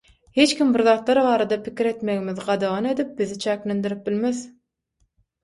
Hiçkim birzatlar barada pikir etmegimizi gadagan edip bizi çäklendirip bilmez.